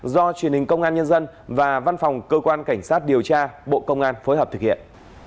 do truyền hình công an nhân dân và văn phòng cơ quan cảnh sát điều tra bộ công an phối hợp thực hiện